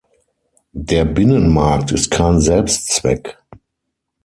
Der Binnenmarkt ist kein Selbstzweck.